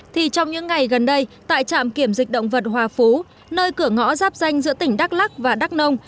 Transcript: thì trong những ngày gần đây tại trạm kiểm dịch động vật hòa phú nơi cửa ngõ giáp danh giữa tỉnh đắk lắc và đắk nông